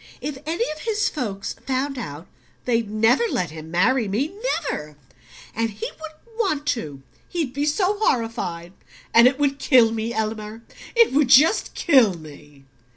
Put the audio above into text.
If any of his folks found out, they'd never let him marry me never! And he wouldn't want to: he'd be so horrified. And it would KILL me, Elmer it would just kill me!"